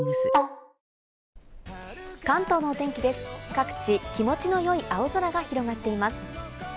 各地、気持ちの良い青空が広がっています。